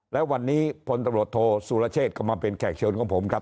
และวันนี้พตศก็มาเป็นแขกเชิญของผมครับ